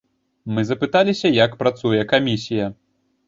Мы запыталіся, як працуе камісія.